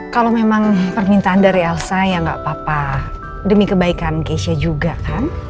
kalau memang permintaan dari elsa ya nggak apa apa demi kebaikan keisha juga kan